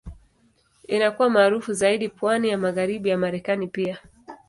Inakuwa maarufu zaidi pwani ya Magharibi ya Marekani pia.